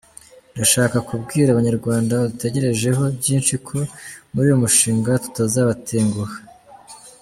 Ndashaka kubwira abanyarwanda badutegerejeho byinshi ko muri uyu mushinga tutazabatenguha.